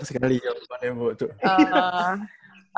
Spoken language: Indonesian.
gak sekali yang mana yang buat tuh